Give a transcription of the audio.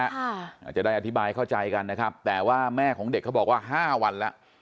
อาจจะได้อธิบายเข้าใจกันนะครับแต่ว่าแม่ของเด็กเขาบอกว่าห้าวันแล้ว